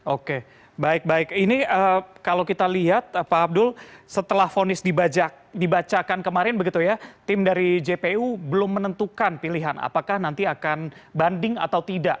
oke baik baik ini kalau kita lihat pak abdul setelah vonis dibacakan kemarin begitu ya tim dari jpu belum menentukan pilihan apakah nanti akan banding atau tidak